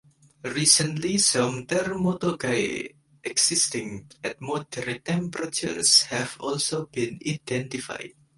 Recently, some Thermotogae existing at moderate temperatures have also been identified.